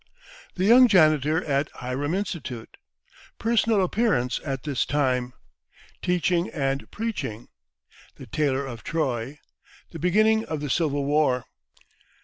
The Young Janitor at Hiram Institute Personal Appearance at this time Teaching and Preaching The Tailor of Troy The Beginning of the Civil War.